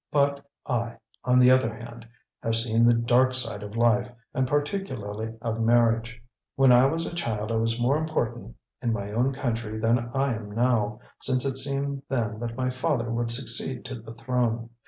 "But I, on the other hand, have seen the dark side of life, and particularly of marriage. When I was a child I was more important in my own country than I am now, since it seemed then that my father would succeed to the throne.